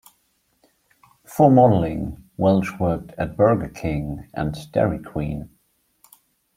Before modeling, Walsh worked at Burger King and Dairy Queen.